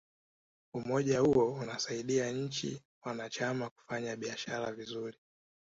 umoja huo unasaidia nchi wanachama kufanya biashara vizuri